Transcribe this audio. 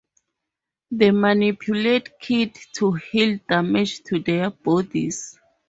They manipulate ki to heal damage to their bodies.